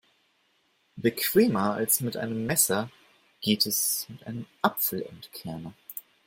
Bequemer als mit einem Messer geht es mit einem Apfelentkerner.